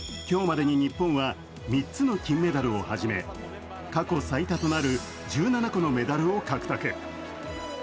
今日までに日本は３つの金メダルをはじめ過去最多となる１７個のメダルを獲得。